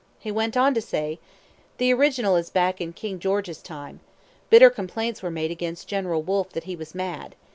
He went on to say: "The original is back in King George's time. Bitter complaints were made against General Wolfe that he was mad.